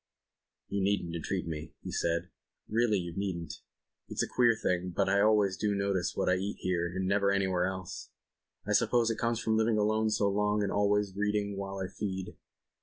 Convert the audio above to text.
'" "You needn't entreat me," said he. "Really you needn't. It's a queer thing but I always do notice what I eat here and never anywhere else. I suppose it comes of living alone so long and always reading while I feed